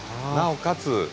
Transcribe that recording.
なおかつ